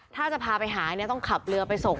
ถ้าจะพาไปหาเนี่ยต้องขับเรือไปส่ง